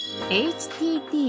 「ＨＴＴ」。